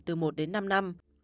từ một đến năm năm